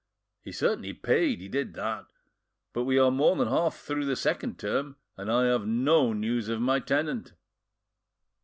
He certainly paid, he did that, but we are more than half through the second term and I have no news of my tenant."